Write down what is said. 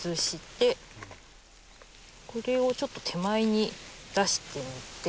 これをちょっと手前に出してみて。